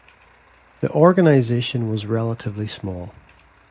The organization was relatively small.